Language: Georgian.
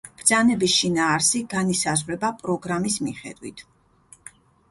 ბრძანების შინაარსი განისაზღვრება პროგრამის მიხედვით.